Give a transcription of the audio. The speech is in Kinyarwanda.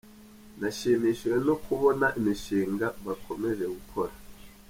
Nashimishijwe no kubona imishinga bakomeje gukora.